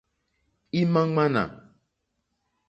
Ímá ŋmánà.